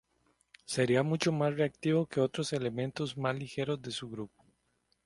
Sería mucho más reactivo que otros elementos más ligeros de su grupo.